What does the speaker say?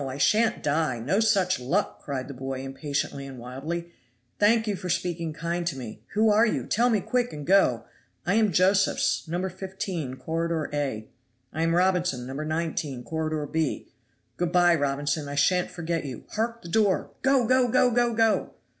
I shan't die! No such luck!" cried the boy impatiently and wildly. "Thank you for speaking kind to me. Who are you? tell me quick, and go. I am Josephs, No. 15, Corridor A." "I am Robinson, No. 19, Corridor B." "Good bye, Robinson, I shan't forget you. Hark, the door! Go! go! go! go! go!"